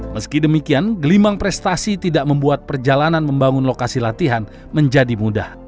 meski demikian gelimang prestasi tidak membuat perjalanan membangun lokasi latihan menjadi mudah